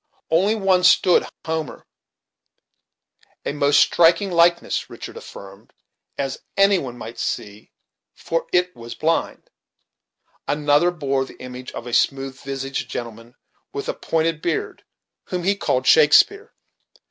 On one stood Homer, a most striking likeness, Richard affirmed, "as any one might see, for it was blind," Another bore the image of a smooth visaged gentleman with a pointed beard, whom he called Shakespeare.